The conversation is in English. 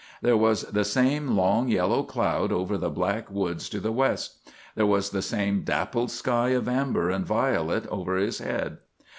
There was the same long yellow cloud over the black woods to the west. There was the same dappled sky of amber and violet over his head.